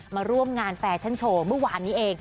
มาร่วมงานแฟชั่นโชว์เมื่อวานนี้เอง